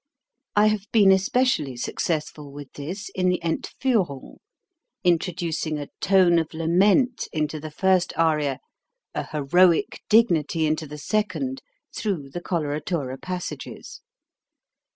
I have been especially successful with this in the Entfiihrung, introducing a tone of lament into the first aria, a heroic dignity into the second, through the colora tura passages.